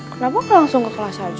kenapa langsung ke kelas aja